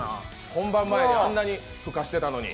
本番前にあんなふかしてたのに。